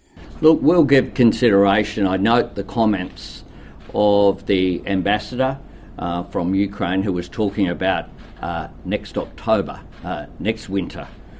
kita akan mempertimbangkan saya menunjukkan komentar dari pemerintah dari ukrania yang berbicara tentang bulan oktober bulan wunter